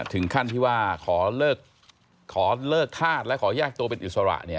ถึงขั้นที่ว่าขอเลิกธาตุและขอแยกตัวเป็นอิสระ